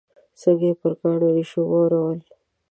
څنګه یې پر کاڼو ریشو واورول.